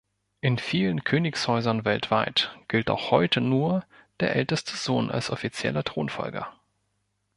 In vielen Königshäusern weltweit gilt auch heute nur der älteste Sohn als offizieller Thronfolger.